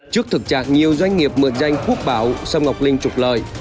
trước thực trạng nhiều doanh nghiệp mượn danh quốc bảo xăm ngọc linh trục lời